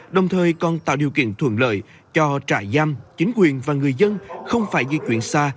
đồng thời còn tạo điều kiện thuận lợi cho trại giam chính quyền và người dân không phải di chuyển xa